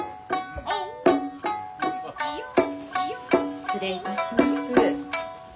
失礼いたします。